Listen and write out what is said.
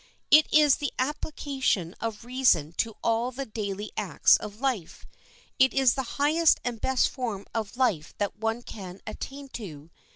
It is the application of reason to all the daily acts of life. It is the highest and best form of life that one can attain to.